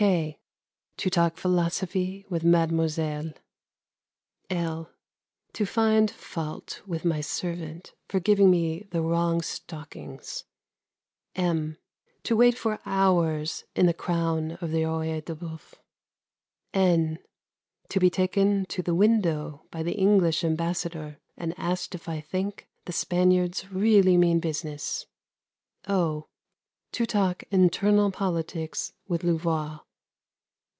(k) To talk philosophy with Mademoiselle. (l) To find fault with my servant for giving me the wrong stockings. (m) To wait for hours in the crown of the Œil de Bœuf. (n) To be taken to the window by the English Ambassador and asked if I think the Spaniards really mean business. (o) To talk internal politics with Louvois.